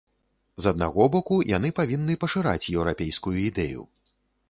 З аднаго боку, яны павінны пашыраць еўрапейскую ідэю.